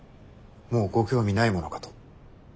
もうご興味ないものかと。